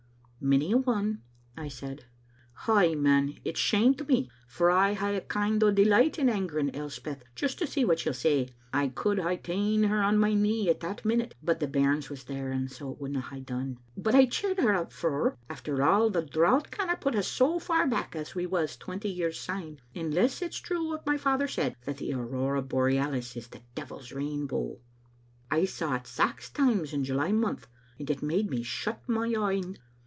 " Many a one," I said. " Ay, man, it shamed me, for I hae a kind o' delight in angering Elspeth, just to see what she'll say. I could hae ta'en her on my knee at that minute, but the bairns was there, and so it wouldna hae dune. But I cheered her up, for, after all, the drought canna put us so far back as we was twenty years syne, unless it's true what my father said, that the aurora borealis is the devil's rainbow. I saw it sax times in July month, and it made me shut my een.